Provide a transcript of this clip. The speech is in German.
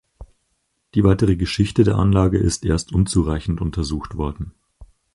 Die weitere Geschichte der Anlage ist erst unzureichend untersucht worden.